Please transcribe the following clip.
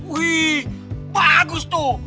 wih bagus tuh